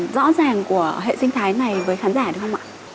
rõ ràng của hệ sinh thái này với khán giả được không ạ